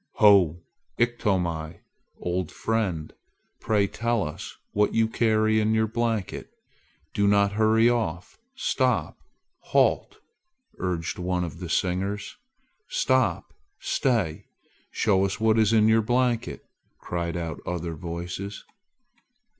"Ho, Iktomi! Old fellow, pray tell us what you carry in your blanket. Do not hurry off! Stop! halt!" urged one of the singers. "Stop! stay! Show us what is in your blanket!" cried out other voices.